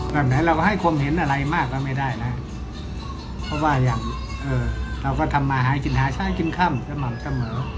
แบบนั้นเราให้ความเห็นอะไรมากก็ไม่ได้นะครับเพราะว่าอย่างเออเราก็ทำมาหายจินหาชายจินค่ำแล้วหมากก็เหมือนแล้ว